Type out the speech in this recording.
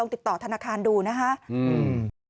ติดต่อธนาคารดูนะครับ